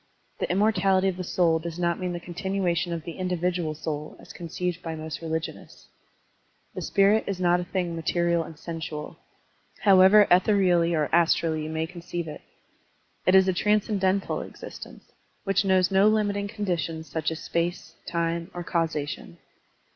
The immor tality of the soul does not mean the continuation of the individual soul as conceived by most religionists. The spirit is not a thing material Digitized by Google A MEMORIAL ADDRESS 211 and sensual, however ethereally or astrally you may conceive it. It is a transcendental exist ence, which knows no limiting conditions such as space, time, or causation.